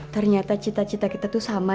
ternyata cita cita kita tuh sama ya bang